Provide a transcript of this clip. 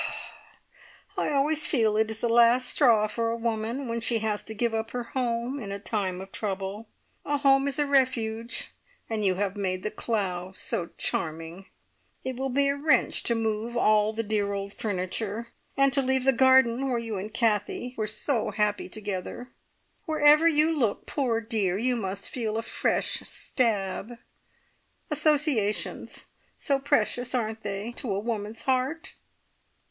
"I always feel it is the last straw for a woman when she has to give up her home in a time of trouble. A home is a refuge, and you have made The Clough so charming. It will be a wrench to move all the dear old furniture, and to leave the garden where you and Kathie were so happy together. Wherever you look, poor dear, you must feel a fresh stab. Associations! so precious, aren't they, to a woman's heart?